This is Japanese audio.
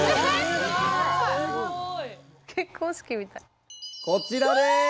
すごい。こちらです！わ！